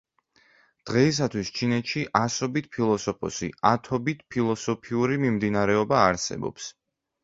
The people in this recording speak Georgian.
დღეისათვის, ჩინეთში ასობით ფილოსოფოსი, ათობით ფილოსოფიური მიმდინარეობა არსებობს.